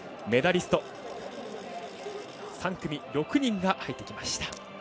メダリスト３組６人が入ってきました。